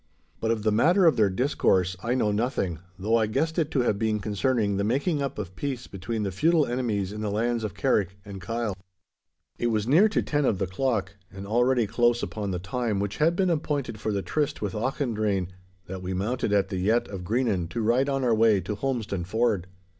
But of the matter of their discourse I know nothing, though I guessed it to have been concerning the making up of peace between the feudal enemies in the lands of Carrick and Kyle. It was near to ten of the clock, and already close upon the time which had been appointed for the tryst with Auchendrayne, that we mounted at the yett of Greenan to ride on our way to Holmestone Ford.